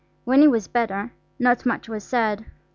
When he was better, not much was said.